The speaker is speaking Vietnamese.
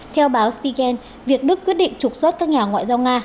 theo báo stygen việc đức quyết định trục xuất các nhà ngoại giao nga